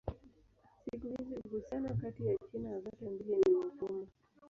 Siku hizi uhusiano kati ya China zote mbili ni mgumu.